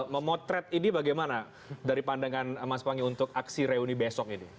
memotret ini bagaimana dari pandangan mas pangi untuk aksi reuni besok ini